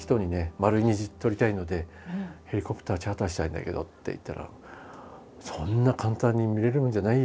「円い虹撮りたいのでヘリコプターチャーターしたいんだけど」って言ったら「そんな簡単に見れるものじゃないよ。